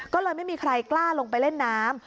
ก็เลยไม่มีใครกล้าลงไปเล่นน้ำ